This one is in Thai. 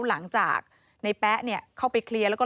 หลังจากนายแป๊บเข้าไปเคลียร์